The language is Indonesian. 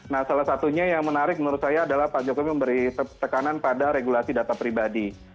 nah salah satunya yang menarik menurut saya adalah pak jokowi memberi tekanan pada regulasi data pribadi